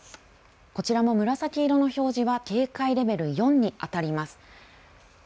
こちらも紫色の表示は警戒レベル４に当たります。